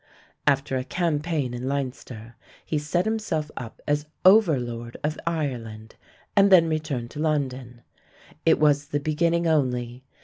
After a campaign in Leinster, he set himself up as overlord of Ireland, and then returned to London. It was the beginning only.